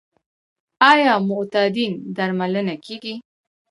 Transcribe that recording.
آیا معتادین درملنه کیږي؟